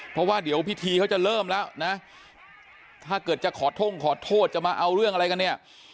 เพราะว่าเดี๋ยวพิธีเขาจะเริ่มแล้วนะถ้าเกิดจะขอท่งขอโทษจะมาเอาเรื่องอะไรกันเนี่ย